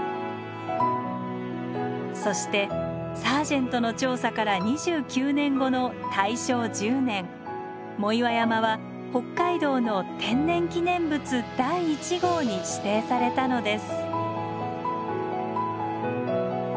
そしてサージェントの調査から２９年後の大正１０年藻岩山は北海道の天然記念物第１号に指定されたのです。